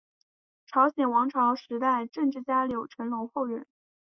朝鲜王朝时代政治家柳成龙后人。